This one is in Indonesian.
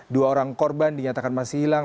dua orang korban dinyatakan masih hilang